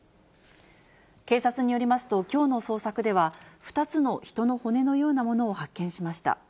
警察によりますと、きょうの捜索では、２つの人の骨のようなものを発見しました。